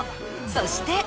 そして。